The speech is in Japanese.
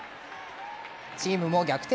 チームも逆転